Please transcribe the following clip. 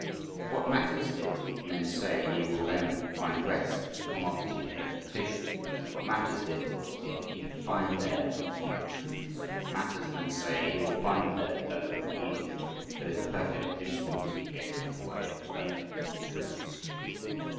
What matters it, men say, he will then find rest, commodity, and reputation what matters it if he find there but few perfect truths what matters (men say) he will find there perfect media, those perfect instruments of getting in the way of perfect truths.